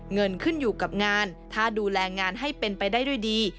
เงินขึ้นอยู่กับงานถ้าดูแลงานให้เป็นไปได้ด้วยดี